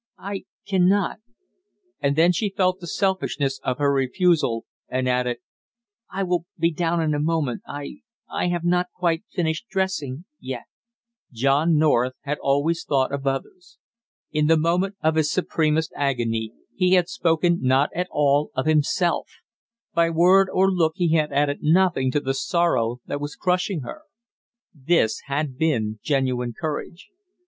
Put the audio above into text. "I can not " and then she felt the selfishness of her refusal, and added: "I will be down in a moment, I I have not quite finished dressing yet!" John North had thought always of others. In the moment of his supremest agony, he had spoken not at all of himself; by word or look he had added nothing to the sorrow that was crushing her. This had been genuine courage.